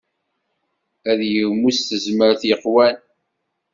Ad yegmu s tezmert yeqwan.